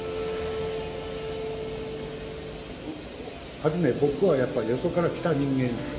初め僕はやっぱりよそから来た人間ですよ。